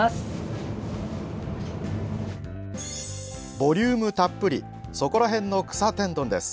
ボリュームたっぷり「そこらへんの草天丼」です。